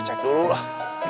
cek dulu lah